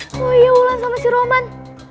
kok iaulan sama si roman